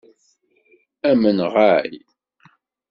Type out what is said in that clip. Amenɣay!